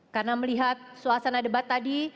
karena melihat suasana debat tadi